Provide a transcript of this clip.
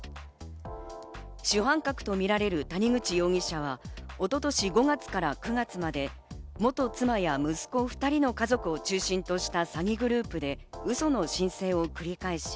主犯格とみられる谷口容疑者は一昨年５月から９月まで元妻や息子２人の家族を中心とした詐欺グループで、ウソの申請を繰り返し、